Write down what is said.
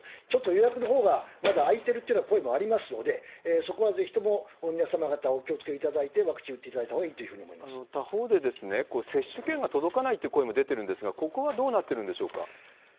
ちょっと予約のほうがまだ空いてるっていうような声もありますので、そこはぜひとも皆様方、お気をつけいただいて、ワクチン打っていただいたほうがいいと思他方で、接種券が届かないという声も出てるんですが、ここはどうなってるんでしょうか？